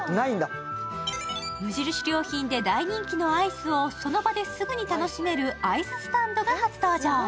無印良品で大人気のアイスをその場ですぐに楽しめるアイススタンドが初登場。